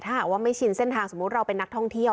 ถ้าหากว่าไม่ชินเส้นทางสมมุติเราเป็นนักท่องเที่ยว